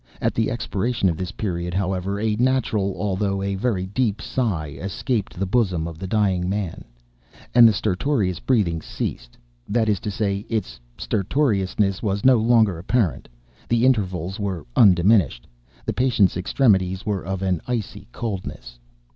At the expiration of this period, however, a natural although a very deep sigh escaped the bosom of the dying man, and the stertorous breathing ceased—that is to say, its stertorousness was no longer apparent; the intervals were undiminished. The patient's extremities were of an icy coldness.